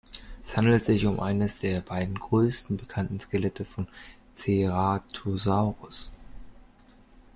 Es handelt sich um eines der beiden größten bekannten Skelette von "Ceratosaurus".